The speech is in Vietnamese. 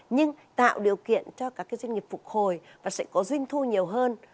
nhưng tạo điều kiện cho các doanh nghiệp phục hồi và sẽ có doanh thu nhiều hơn